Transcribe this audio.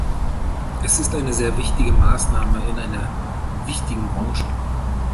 Es ist eine sehr wichtige Maßnahme in einer wichtigen Branche.